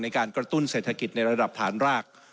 การกระตุ้นเศรษฐกิจในระดับฐานราก